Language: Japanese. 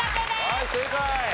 はい正解。